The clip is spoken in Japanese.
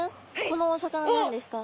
このお魚何ですか？